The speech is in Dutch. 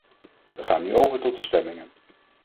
We gaan nu over tot de stemmingen.